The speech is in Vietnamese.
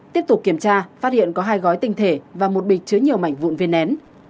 tiếp tục kiểm tra phát hiện có hai gói tinh thể và một bịch chứa nhiều mảnh vụn viên nén